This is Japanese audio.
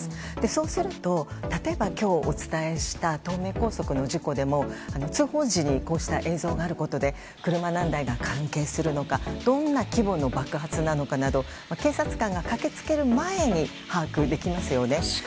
そうすると、例えば今日お伝えした東名高速の事故も通報時にこうした映像があることで車何台が関係するのかどんな規模の爆発なのかなど警察官が駆け付ける前に把握できますよね。